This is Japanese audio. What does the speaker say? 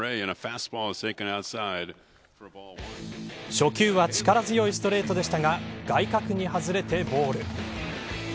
初球は力強いストレートでしたが外角に外れて、ボール。